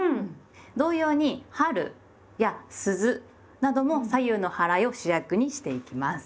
同様に「春」や「鈴」なども左右のはらいを主役にしていきます。